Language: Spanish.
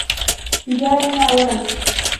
Ya era hora.